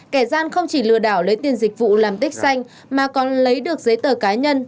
kẻ gian không chỉ lừa đảo lấy tiền dịch vụ làm tích xanh mà còn lấy được giấy tờ cá nhân